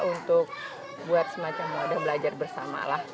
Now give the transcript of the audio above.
untuk buat semacam moda belajar bersamalah